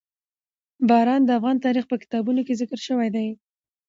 باران د افغان تاریخ په کتابونو کې ذکر شوي دي.